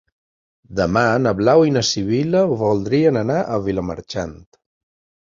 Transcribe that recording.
Demà na Blau i na Sibil·la voldrien anar a Vilamarxant.